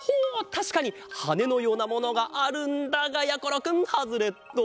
たしかにはねのようなものがあるんだがやころくんハズレット！